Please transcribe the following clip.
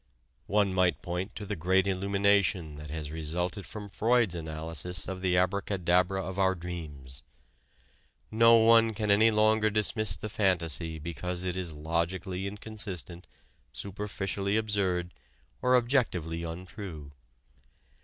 One might point to the great illumination that has resulted from Freud's analysis of the abracadabra of our dreams. No one can any longer dismiss the fantasy because it is logically inconsistent, superficially absurd, or objectively untrue.